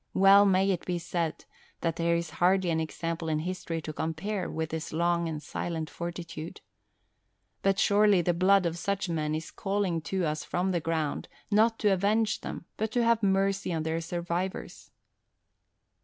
Well may it be said that there is hardly an example in history to compare with this long and silent fortitude. But surely the blood of such men is calling to us from the ground, not to avenge them, but to have mercy on their survivors!